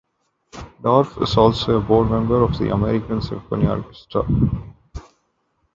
Dorf is also a board member of the American Symphony Orchestra.